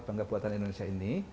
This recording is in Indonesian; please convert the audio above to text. bangga buatan indonesia ini